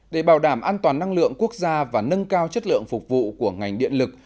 để bảo đảm an toàn năng lượng quốc gia và nâng cao chất lượng phục vụ của ngành điện lực